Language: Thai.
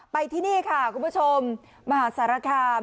ไปที่นี่ค่ะคุณผู้ชมมหาสารคาม